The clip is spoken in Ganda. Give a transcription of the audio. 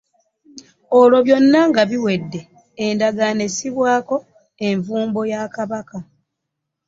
Olwo bino byonna nga biwedde, endagaano essibwako envumbo ya kabaka.